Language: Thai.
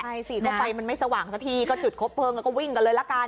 ใช่สิก็ไฟมันไม่สว่างสักทีก็จุดคบเพลิงแล้วก็วิ่งกันเลยละกัน